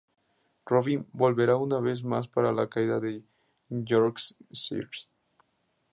Robin volverá una vez más para la caída de Yorkshire.